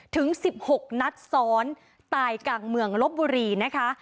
ถึง๑๖นัดซ้อนตายกลางเมืองลบบุรีนะคะ